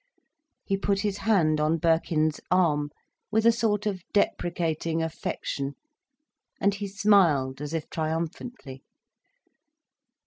He put his hand on Birkin's arm, with a sort of deprecating affection. And he smiled as if triumphantly.